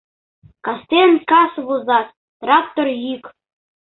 Кастен кас возат — трактор йӱк.